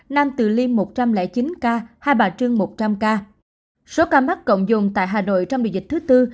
nam tự liêm một trăm linh chín ca hai bà trương một trăm linh ca số ca mắc cộng dùng tại hà nội trong điều dịch thứ tư